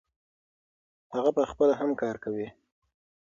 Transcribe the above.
هغه پخپله هم کار کوي.